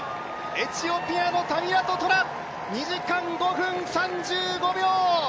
エチオピアのタミラト・トラ２時間５分３５秒！